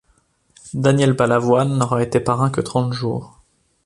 Daniel Balavoine n'aura été parrain que trente jours.